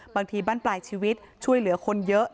บางทีบั้นปลายชีวิตช่วยเหลือคนเยอะ